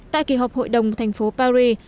tại kỳ họp hội đồng thành phố paris